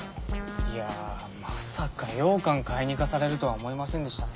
いやぁまさかようかん買いに行かされるとは思いませんでしたね。